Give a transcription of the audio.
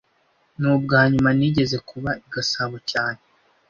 Ni ubwanyuma nigeze kuba i Gasabo cyane